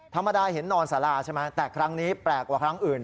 ธรรมดาเห็นนอนสาราใช่ไหมแต่ครั้งนี้แปลกกว่าครั้งอื่น